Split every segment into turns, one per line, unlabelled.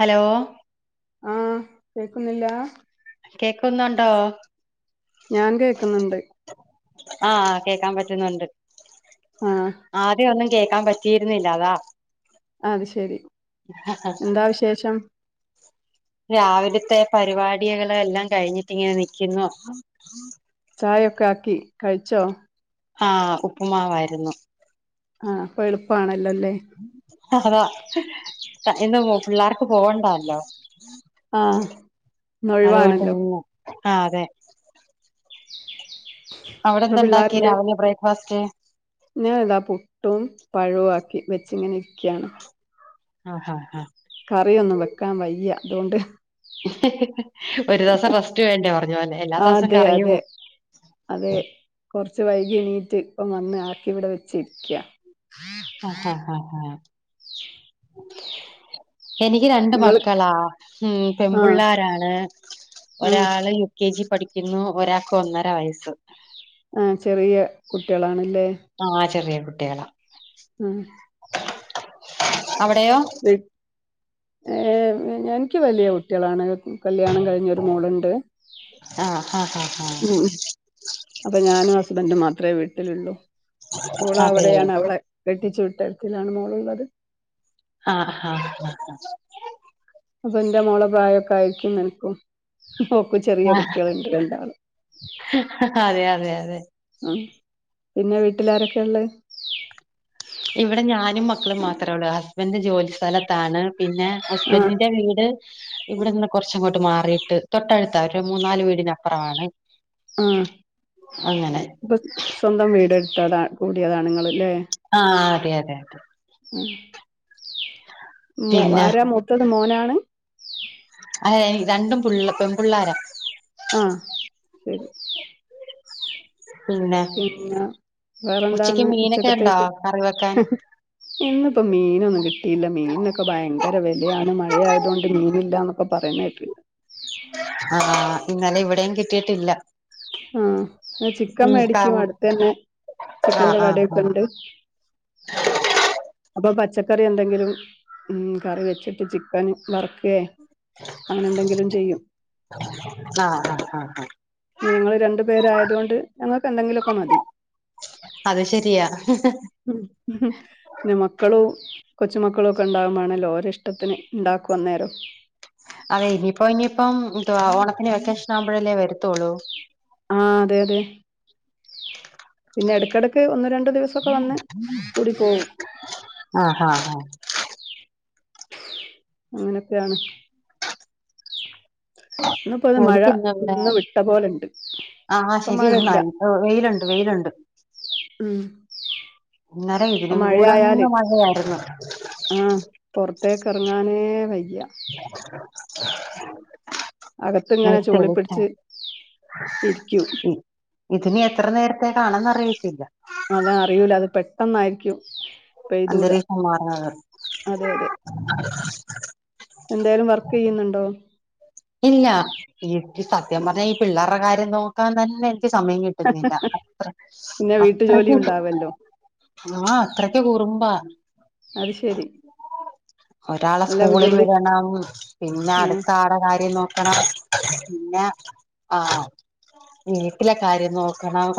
Hello
ആഹ് കേക്കുന്നില്ലാ
കേക്കുന്നുണ്ടോ
ഞാൻ കേക്കുന്നുണ്ട്
ആഹ് കേക്കാം പറ്റുന്നുണ്ട്
ആഹ്
ആദ്യം ഒന്നും കേക്കാം പ റ്റീര്ന്നില്ല അതാ
അത് ശെരി എന്താ വിശേഷം
രാവിലെത്തെ പരിപാടികള് എല്ലാം കഴിഞ്ഞിട്ടിങ്ങെനെ നിക്കുന്നു
ചായൊക്കെ ആക്കി കഴിച്ചോ
ആഹ് ഉപ്പുമാവായിര്ന്നു
ആഹ് അപ്പൊ എള്പ്പാണല്ലാെല്ലേ
അതാ ഇന്ന് പിള്ളാർക്ക് പോവണ്ടാല്ലോ
ആഹ്
അതുകൊണ്ട്
ഇന്നൊഴിവാണല്ലോ
ഇന്ന് ആഹ് അതെ
എത്ര
അവടെന്താ ണ്ടാക്ക്യേ രാവ്‌ലെ ബ്രേക്ക് ഫാസ്റ്റ്
ഞാനിതാ പുട്ടും പഴവും ആക്കി വെച്ചിങ്ങെനെ ഇരിക്ക്യാണ്
ആഹ് ഹാ ഹാ
കറിയൊന്നും വെക്കാം വയ്യാ അതുകൊണ്ട്
ഒരു ദിവസം റെസ്റ്റ് വേണ്ടേ പറഞ്ഞ പോലെ എല്ലാ ദിവസം കറിയും
അതേ കുറച്ച് വൈകി എണീറ്റ് ഇപ്പ വന്ന് ആക്കി ഇവിടെ വെച്ചിരിക്ക-
ആഹ് ആഹ് ആഹ് ആഹ് എനിക്ക് രണ്ട്
നിങ്ങള്
മക്കളാ ഉം
ആഹ്
പെമ്പുള്ളാരാണ്
ആഹ്
ഒരാള് കെ ജി പഠിക്കുന്നു ഒരാക്ക് ഒന്നര വയസ്സ്.
ആഹ് ചെറിയ കുട്ടികളാണല്ലേ-
ആഹ് ചെറിയ കുട്ടികളാ.
മ്.
അവിടെയോ?
വെ ആഹ് എനിക്ക് വലിയ കുട്ടികളാണ് കല്യാണം കഴിഞ്ഞൊരു മോളുണ്ട്.
ആഹ് ആഹ് ആഹ് ആഹ്
ഉം അപ്പൊ ഞാനും ഹസ്ബൻ്റും മാത്രേ വീട്ടിലുള്ളൂ ഓള്
അതെ
അവിടെയാണ് അവളെ കെട്ടിച്ചു വിട്ടേത്തിനാണ് മോളുള്ളത്.
ആഹ് ആഹ്
അപ്പൊ എന്റെ മോള പ്രായൊക്കെ ആയിരിക്കും നിനക്കും ഓക്കും ചെറിയ
ആ
കുട്ടികളുണ്ട് രണ്ടാള്
അതെ അതെ അതെ
ഉം പിന്നെ വീട്ടിലാരൊക്കെയാള്ള?
ഇവിടെ ഞാനും മക്കളും മാത്രമേ ഉള്ളൂ ഹസ്ബൻ്റ് ജോലി സ്ഥലത്താണ് പിന്നെ
ആഹ്
ഹസ്ബൻഡിന്റെ വീട്- ഇവിടെന്ന് കുറച്ചങ്ങോട്ട് മാറിയിട്ട് തൊട്ടടുത്ത അവര്ടെ മൂന്നാല് വീടിനപ്പുറമാണ്.
ആഹ്
അങ്ങനെ
അപ്പൊ സ്വന്തം വീടെടുത്തതാ കൂടിയതാണിങ്ങളില്ലേ?
ആഹ് അതെ അതെ അതെ
ഉം. മ്
പിന്നെ
ആരാ മൂത്തത് മോനാണ്?
ഏയ് രണ്ടും പു പെൺപുള്ളാരാ
ആഹ് ശരി.
പിന്നെ
പിന്നെ
ഉച്ചക്ക്
വേറെന്താന്ന്
മീനൊക്കെ ഉണ്ടോ
ഉച്ചക്കത്തേക്ക്?
കറി വെക്കാൻ
ഇന്നിപ്പോ മീനൊന്നും കിട്ടിയില്ല മീനൊക്കെ ഭയങ്കര വിലയാണ് മഴയാതൊണ്ട് മീനില്ലാന്ന് പ്പ പറയിന്ന കേട്ട്-
ആഹ് ഇന്നലെ ഇവിടെയും കിട്ടിയിട്ടില്ല.
ആഹ് ചിക്കൻ
ഉം
മേടിക്കും അടുത്തന്നെ
ആഹ്
ചിക്കന്റെ
ആഹ്
കടേക്കെണ്ട്.
ആഹ്
അപ്പൊ പച്ചക്കറി എന്തെങ്കിലും ഉം കറിവെച്ചിട്ട് ചിക്കൻ വറ വേ അങ്ങനെന്തെങ്കിലും ചെയ്യും.
ആഹ് ആഹ് ആഹ് ആഹ്
നിങ്ങൾ രണ്ടു പേരായതുകൊണ്ട് ഞങ്ങൾക്ക് എന്തെങ്കിലോക്കെ മതി.
അത് ശരിയാ.
[unintelligible] ന്നെ മക്കളും കൊച്ചുമക്കളോക്കെ ണ്ടാകുമ്പണേല്ലോ ഓരെ ഷ്ടത്തിന് ണ്ടാക്കും അന്നേരം.
അതെ ഇനിയിപ്പം ഇനിയിപ്പം എന്തുവ ഓണത്തിന് വെക്കേഷനാവുമ്പോഴല്ലേ വരത്തോള്ളൂ?
ആഹ് അതെ അതെ. പിന്നെ എടക്കടക്ക് ഒന്ന് രണ്ട് ദിവസൊക്കെ വന്ന് കൂടി പോവും.
ആഹ് ആഹ് ആഹ്
അങ്ങനൊക്കെയാണ്. പ്പത്
ആഹ്
മഴ
എനിക്കിന്ന് ഇവിടെ
ഇന്ന് വിട്ട പോലെണ്ട്-
ആഹ് ശരി
മഴയില്ല
നല്ല വെയില്ണ്ട് വെയില്ണ്ട്
ഉം.
ഇന്നേലെ ഇത്
ഇപ്പ
ലും
മഴയായാല്
കൂടെങ്ങ് മഴയായിരുന്നു.
ആഹ് പൊറ്ത്തേക്കെറ്ങ്ങാനേ വയ്യ- അകത്ത്
[unintelligible]
ഇങ്ങനെ ചൂളിപ്പിടിച്ച് ഇരിക്കും
[unintelligible] ഇതിനി എത്ര നേരത്തെക്കാണെന്ന് അറിയിച്ചില്ല
അതാ അറിയൂല അത് പെട്ടെന്നായിരിക്കും പെയ്തൂടാ
അന്തലീകുമാറാകാ
അതെ എന്തെലും വർക്കെയ്യുന്നുണ്ടോ
ഇല്ല ഇൻക് സത്യം പറഞ്ഞാ ഈ പിള്ളാറ്ടെ കാര്യം നോക്കാൻ തന്നെ ക്ക് സമയം കിട്ടുന്നില്ല അത്ര
പിന്നെ വീട്ടു ജോലി
അത്രക്ക്
ഉണ്ടാവല്ലോ
ആഹ് അത്രക്ക് കുറുമ്പാ
അത് ശരി
ഒരാളെ
നല്ല
സ്കൂളിൽ
വികൃതി
വിടണം പിന്നെ
ആഹ്
അട്ത്ത ആളെ ര്യം നോക്കണം പിന്നെ ആഹ് വീട്ടിലെ കാര്യം നോക്കണം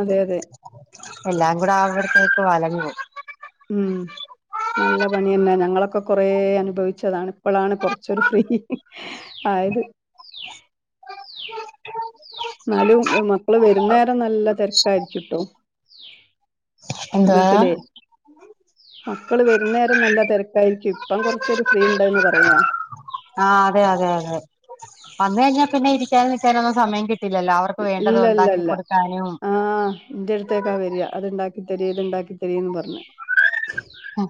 അതെ അതെ
എല്ലാം കൂടെ ആവുമ്പോത്തിന് കൊലങ്ങും
ഉം നല്ല പണിയെന്നെ ഞങ്ങളൊക്കെ കൊറെ അനുഭവിച്ചതാണ് ഇപ്പളാണ് കൊറ്ച്ചൊരു ഫ്രീ ആയത് ന്നാലും മക്കള് വരുന്നേരം നല്ല തെര്ക്കായിരിക്കുട്ടോ
എന്തുവാ
വീട്ട്ലെ മക്കള് വരുന്നേരം നല്ല തെര്ക്കായിരിക്കും ഇപ്പം കൊറ്ച്ചൊരു ഫ്രീ ണ്ടന്ന് പറയാ
ആഹ് അതെ അതെ അതെ വന്ന് കഴിഞ്ഞാ പിന്നെ ഇരിക്കാനും നിക്കാനൊന്നും സമയം കിട്ടില്ലല്ലോ അവർക്ക് വേണ്ടത്
ഇല്ല ഇല്ല
ഉണ്ടാക്കി
ഇല്ല
കൊടുക്കാനും
ആഹ് ന്റെ എട്ത്തേക്കാ വെരാ അത്ണ്ടാക്കി തെരീ ഇത്ണ്ടാക്കി തെരീന്ന് പറ്ഞ്
ഉം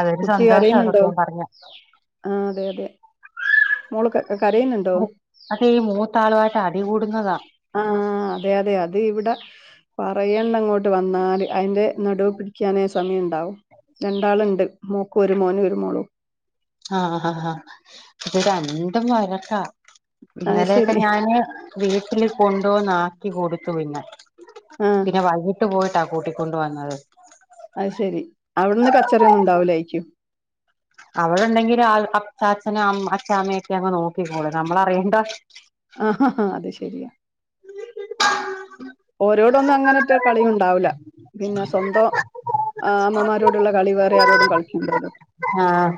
അതൊരു
കുട്ടി
സന്തോഷാണ്
കരയുന്നുണ്ടോ
പ്പം പറയാ
ആഹ് അതെ അതെ മോള് ക കരയ്ന്ന്ണ്ടോ
അതെ ഈ മൂത്താളുവായിട്ട് അടികൂടുന്നതാ
ആഹ് അതെ അതെ അത് ഇവിടെ പറയണ്ടങ്ങോട്ട് ട്ട് വന്നാല് അയ്ന്റെ നടൂ പിടിക്കാനെ- സമയം ണ്ടാവും രണ്ടാള്ണ്ട് മോക്ക് ഒരു മോന് ഒരു മോളും
ആഹ് ആഹ് ആഹ് ഇത് രണ്ടും വഴക്കാ
അത്
ഇന്നലെയൊക്കെ
ശരി
ഞാന് വീട്ടില് കൊണ്ടുവന്നാക്കി കൊടുത്തു പിന്നെ
ആഹ്
പിന്നെ വൈ കീട്ട് പോയിട്ടാ കൂട്ടിക്കൊണ്ട് വന്നത്
അഹ് ശെരി അവിട്ന്ന് കച്ചറയൊന്നും ണ്ടാവുലെയ്ക്കും
അവടെണ്ടെങ്കില് ആ അച്ചാഛനും അമ്മ് അച്ചാമ്മയൊക്കെന്ന് നോക്കിക്കോളും നമ്മളറിയെണ്ട
ആഹ് ഹ ഹാ അത് ശെരിയാ
[inaudible]
ഓരോടൊന്നും അങ്ങനറ്റെ കളിയുണ്ടാവൂല്ല പിന്നെ സ്വന്തം ആഹ് അമ്മമാരോടുള്ളകളിവേറെ യാരോടും കളിക്കൂലാലോ
ആഹ്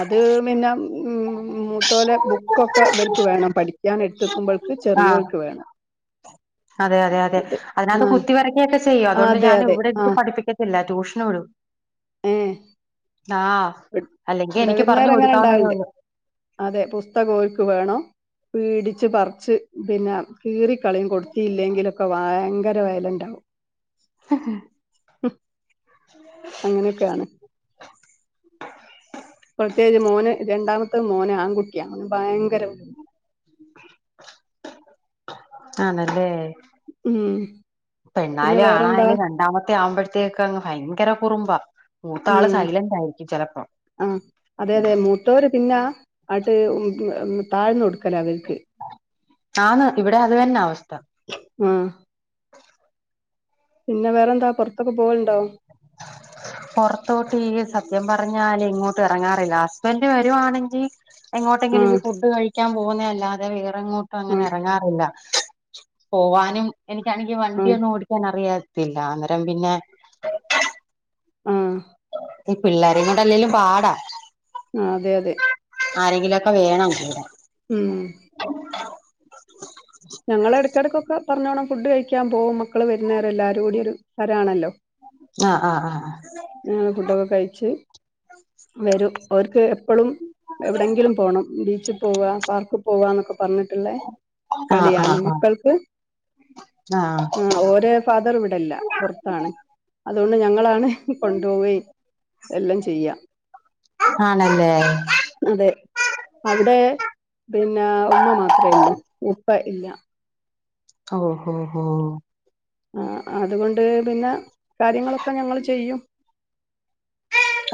അത് പിന്നെ ഉം മു തോലെ ബുക്കൊക്കെ ഇവൽക്ക് വേണം പഠിക്കാൻ എടുത്തക്കുമ്പൾക്ക്
ആഹ്
ചെറിയോൽക്ക് വേണം
അതെ അതെ അതെ
ഇത്
അതിനകത്ത്
ആഹ്
കുത്തി വരയ്ക്കൊക്കെ ചെയ്യും അതോണ്ട്
അതെ
ഞാൻ
അതെ
ഇവിടിര്ത്തി
ആഹ്
പഠിപ്പിക്ക ല്ല ട്യൂഷന് വ്ടും
ഏഹ്
ആഹ് അല്ലെങ്കി
ഇവിടെ
എനിക്ക് പറഞ്ഞ്
വിരുന്നേരം അങ്ങനെ ഇണ്ടാവൽണ്ട്
കൊടുക്കാവുന്നതേള്ളൂ
അതെ പുസ്തകം ഓൽക്ക് വേണം പീടിച്ച് പറ്ച്ച് പിന്നെ കീറി കളീം കൊടുത്തിയില്ലെങ്കിലൊക്കെ വയങ്കര വയലൻ്റാവും
[inaudible] [inaudible]
അങ്ങനൊക്കെയാണ്. [unintelligible] മോന് രണ്ടാമത്തെ മോന് ആൺകുട്ടിയാ ഭയങ്കര
ആണല്ലേ
ഉം പിന്നെ
പെണ്ണായാലും
വേറെന്താ
ആണായാലും രണ്ടാമത്തെ ആവുമ്പോഴ് ക്കെക്കങ് ഭയങ്കര കുറുമ്പാ മൂത്താള്
ഉം
സൈലന്റായിരിക്കും ചെലപ്പോ
ത്തോല് പിന്നാ ആട്ട് ഉം ഉം ഉം താഴ്ന്ന് കൊടുക്കലാവര്ക്ക്
ആന്ന് ഇവിടെ അതന്നെവസ്ഥ
ഉം പിന്നെ വേറെന്താ പോറത്തൊക്കെ പോവല്ണ്ടോ
[inaudible] പൊറത്തോട്ടീ സത്യം പറഞ്ഞാലെങ്ങോട്ടെറങ്ങാറില്ല ഹസ്ബൻഡ് വരുആണെങ്കി എങ്ങോട്ടെങ്കിലും ഈ
ആഹ്
ഫുഡ് കഴിക്കാൻ പോകുന്നേയല്ലാതെ വേറെങ്ങോട്ടും
ആഹ്
അങ്ങനെറങ്ങാറില്ല. പോവാനും എനിക്കാണെങ്കി
ആഹ്
വണ്ടിയൊന്നും ഓടിക്കാൻ അറിയാത്തില്ല അന്നേരം പിന്നെ
ആഹ്
ഈ പിള്ളേരെകൊണ്ടല്ലേലും പാടാ
അതെയതെ
ആരെങ്കിലൊക്കെ വേണം കൂടെ
ഉം ഞങ്ങളെടക്കെടക്കൊക്കെ പറഞ്ഞോണം ഫുഡ് കഴിക്കാൻ പോവും മക്കൾ വരുന്നേരല്ലാരും കൂടി ഒരു ഹരാണല്ലോ
ആഹ് ആഹ് ആഹ്
ഞങ്ങൾ ഫുഡൊക്കെ കഴിച്ച് വരും അവർക്ക് എപ്പളും എവടെങ്കിലും പോണം ബീച്ചി പോവാ പാർക്ക് പോവാന്നൊക്കെ പർഞ്ഞിട്ട്ള്ളെ
ആഹ് ആഹ്
കളിയാണ്
ആഹ്
മക്കൾക്ക്
ആഹ് ആഹ്
ആ ഓര് ഫാദർ ഇവിടെല്ല പൊർത്താണ് അതോണ്ട് ഞങ്ങളാണ് കൊണ്ടോവെയ് എല്ലം ചെയ്യ
ആണല്ലേ
അതെ അവിടെ പിന്നെ ഉമ്മ മാത്രേള്ളൂ ഉപ്പ ഇല്ല.
ഓ ഹോ ഹോ
ആ അതുകൊണ്ട് പിന്നെ കാര്യങ്ങളൊക്കെ ഞങ്ങള് ചെയ്യും.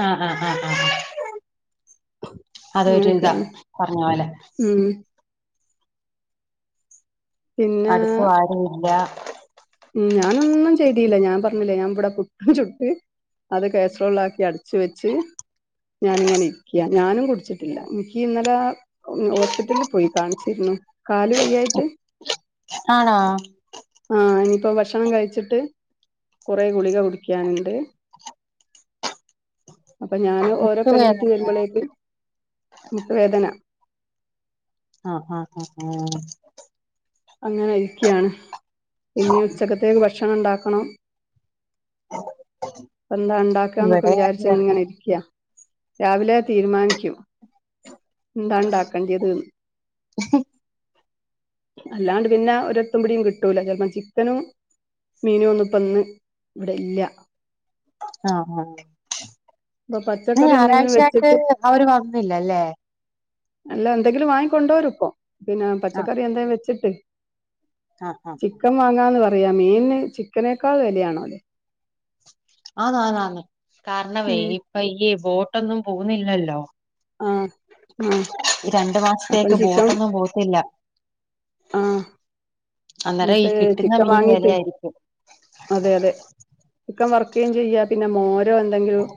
ആഹ് ആഹ് ആഹ് ആ അതൊരിതാ
അങ്ങനെയൊക്കെയാണ്
പറഞ്ഞ പോലെ
ഉം പിന്നെ
അട്ക്ക് വാരിയില്ല
ഉം ഞാനൊന്നും ചെയ്തീല്ല ഞാൻ പർഞ്ഞിലെ ഞാൻവട പുട്ട് ചുട്ട് അത് കേസ്രോളിലാക്കി അടച്ച് വെച്ച് ഞാനിങ്ങനെ ഇരിക്കൃ ഞാനും കു ചിട്ടില്ല എനിക്കിന്നലെ ഉം ഹോസ്പിറ്റൽല് പോയി കാണിച്ചിരുന്നു കാല് വെയ്യായിറ്റ്
ആണോ
ആഹ് ഇനിപ്പോ ഭക്ഷണം കഴിച്ചിട്ട് കൊറേ ഗുളിക കുടിക്കാണ്ട് അപ്പൊ ഞാന് ഓരോക്കെണീറ്റ്
മുട്ടുവേദനയോ
വരുമ്പളേക്കും മുട്ട് വേദന
ആഹ് ആഹ് ആഹ്
അങ്ങനെ ഇരിക്ക്യാണ് പിന്നെ ഉച്ചക്കത്തേക്ക് ഭക്ഷണം ണ്ടാക്കണം
[inaudible]
പ്പ ന്താ ണ്ടാക്കാന്നൊക്കെ
ഇവിടെ അത് തന്നെ
വിചാരിചിങ്ങനെ ഇരിക്ക രാവിലെ തീര്മാൻക്കും ന്താണ്ടാക്കണ്ടിയത് ന്ന് അല്ലാണ്ട് പിന്നെ ഒരെത്തുംപിടിയും കിട്ടൂല ചെൽപ്പം ചിക്കനും മീനു ഒന്നുപ്പന്ന് ഇവിടെ ല്ല്യ
ആഹ് ആഹ്
ഇപ്പൊ
ഇന്ന്
പച്ചക്കറി എന്തെങ്കിലും
ഞായറാഴ്ചായിട്ട്
വെച്ചിട്ട്
അവര് വന്നില്ല ല്ലേ
അല്ല എന്തെങ്കിലും വാങ്ങിക്കൊണ്ടോരും പ്പൊ പിന്നെ
ആഹ്
പച്ചക്കറി എന്ധെ വെച്ചിട്ട്
ആഹ് ആഹ്
ചിക്കൻ വാങ്ങാന്ന് പറയാ മീൻന് ചിക്കനേക്കാൾ വിലയാണോ ലൊ
[unintelligible] കാരണവേ ഇപ്പൊ ഈ ബോട്ടൊന്നും പോവുന്നില്ലല്ലോ
ആഹ് ആഹ്
ഈ രണ്ടു
അപ്പം
മാസത്തേക്ക്
ചിക്കൻ
ബോട്ടൊന്നും പോവത്തില്ല
ആഹ്
അന്നേരം ഈ
ന്നട്ട്
കിട്ടുന്ന
ചിക്കൻ
മീന്
വാങ്ങീട്ട്
വിലയായിരിക്കും
അതെ അതെ ചിക്കൻ വർക്കേം ചെയ്യാ പിന്നെ മോരോ എന്തെങ്കിലും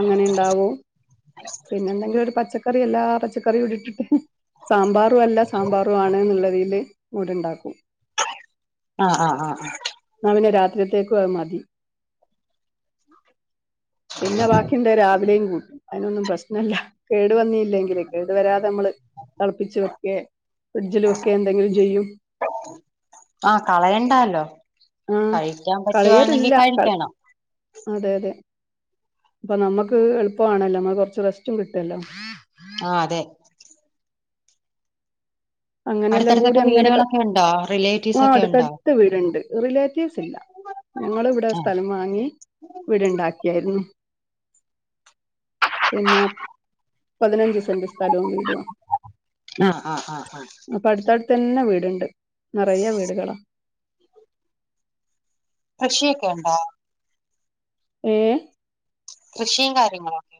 അങ്ങനെ ഇണ്ടാവൂ പിന്നെന്തെങ്കിലും ഒരു പച്ചക്ക പച്ചക്കറി എല്ലാ പച്ചക്കറിയുട്ടിട്ട് സാമ്പാറും അല്ല സാമ്പാറും ആണ് എന്നുള്ളതീല് മോര് ണ്ടാക്കും
ആഹ് ആഹ് ആഹ്
ന്നാ പിന്നെ രാത്രിത്തേക്കും അഹ് മതി
[inaudible]
പിന്നെ ബാക്കിണ്ട രാവിലെയും കൂട്ടു അയ്നൊന്നും പ്രശ്നല്ല. കേടു വന്നില്ലെങ്കില് കേടു വരാതെ മ്മള് തള്പ്പിച്ച് വെക്കെ ഫ്രിഡ്ജില് വെക്കെ എന്തെങ്കിലും ചെയ്യും.
ആഹ് കളയണ്ടാല്ലോ
ആഹ്
കഴിക്കാൻ പറ്റുവാണെങ്കിൽ
കളയലില്ല
കഴിക്കണം
അതെ തെ തെ അപ്പൊ നമ്മക്ക് എളുപ്പാമാണല്ലോ ന്നാ കൊർച്ച് റസ്റ്റും കിട്ടുല്ലോ
ആഹ് അതെ
അങ്ങനെയെല്ലാം കൂടി
അടുത്തടുത്തൊക്കെ
അങ്ങനെ പ
വീടുകളൊക്കെ ഉണ്ടോ റിലേറ്റീവ്സ്
ആഹ്
ഒക്കെ ഉണ്ടോ
അട്ത്തട്ത്ത് വീട്ണ്ട് റിലേറ്റീവ്സ് ഇല്ല ഞങ്ങള് ഇവടെ
ആഹ്
സ്ഥലം വാങ്ങി വീട് ണ്ടാക്കിയേർന്നു. പിന്നെ പതിനഞ്ച് സെന്റ് സ്ഥലവും വീടുവാ
ആഹ് ആഹ് ആഹ് ആഹ്
അപ്പൊ അട്ത്തട്ത്തന്നെ വീട്ണ്ട് നിറയെ വീടുകളാ
കൃഷിയൊക്കെണ്ടോ?
ഏഹ്
കൃഷിയും കാര്യങ്ങളൊക്കെ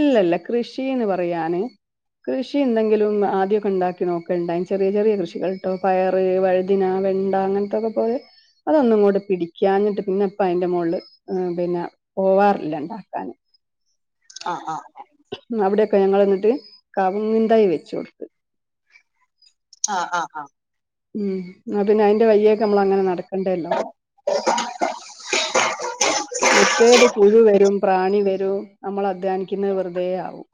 ഇല്ലല്ല കൃഷിന്ന് പറയാന് കൃഷി ന്തെങ്കിലും ആദ്യക്കെ ണ്ടാക്കി നോക്കൽണ്ടായ ചെറിയ ചെറിയ കൃഷികൾട്ടോ പയറ് വഴു തിന വെണ്ട അങ്ങനത്തൊക്കെ പോലെ അതൊന്നുംങ്ങോട്ട് പിടിക്കാഞ്ഞിട്ട് പിന്നെ ഇപ്പ അയ്ന്റെ മോള്ല് മ് പിന്നെ പോവാറില്ല ഇണ്ടാക്കാന്.
ആഹ് ആഹ്
അവിടെക്കെ ഞങ്ങള്ന്നട്ട് കവുങ്ങിന്തയ് വെച്ചോട്ത്ത്.
ആഹ് ആഹ് ആഹ്
ഉം ന്നാ പിന്നെ അയ്ന്റെ വയ്യേക്കെ നമ്മളങ്ങനെ നട് കണ്ടല്ലോ മറ്റേല് പുഴു വരും. പ്രാണി വരും നമ്മൾ അധ്വാ നിക്കുന്നത് വെറുതെ ആവും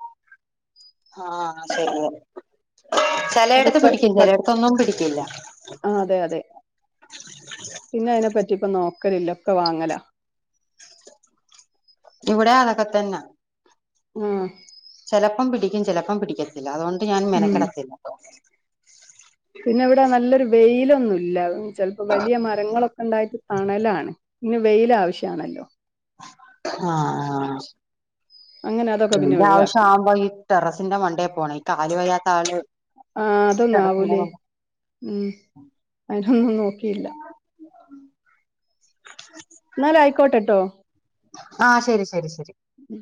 ആഹ് ശരിയ ചലേട്ത്ത് പിടിക്കും ചലേട്ത്തൊന്നും പിടിക്കൂല്ല
ആഹ് അതെ അതെ പിന്നെ അതിനെ പറ്റിപ്പ നോക്കലില്ല ഒക്കെ വാങ്ങല
ഇവടെ അതൊക്കെ തന്നാ
ഏഹ്
ചെലലപ്പം പിടിക്കും ചെലപ്പം പിടിക്കത്തില്ല അതോണ്ട് ഞാന്
ഉം
മെനക്കടത്തില്ല.
പിന്നെ ഇവടെ നല്ലൊരു വെയിലൊന്നുല്ല ചെൽപ്പോ വലിയ മരങ്ങളൊക്കെ ഇണ്ടായിട്ട് തണലാണ് ഇന്ന് വെയിലാവശ്യാണല്ലോ
ആഹ് ആഹ്
അങ്ങനെ അതൊക്കെ പിന്നെ
വെയില്
ഒഴിവാക്കി
ആവശ്യാക്കുമ്പോ ഈ ടെറസിന്റെ മണ്ടേൽപോണം ഈ കാല് വയ്യാത്ത ആള്
ആഹ്
ടെറസിന്റെ
അതൊന്നാവൂലേ
മ
ഉം അതിനൊന്നും നോക്കിയില്ല എന്നാലയിക്കോട്ടെട്ടോ
ആഹ് ശരി ശരി ശരി
ഉം